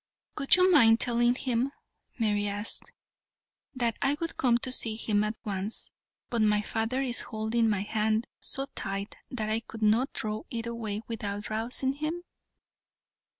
"Would you mind telling him," Mary asked, "that I would come to see him at once, but my father is holding my hand so tight that I could not draw it away without rousing him?"